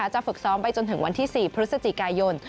ฝึกซ้อมไปจนถึงวันที่๔พฤศจิกายน